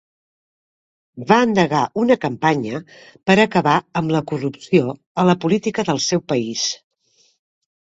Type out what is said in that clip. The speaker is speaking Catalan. Va endegar una campanya per acabar amb la corrupció a la política del seu país.